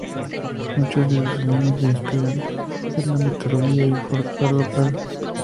Muchos de sus diseños se inspiran en la mitología y folclor local.